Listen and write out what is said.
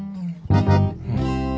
うん。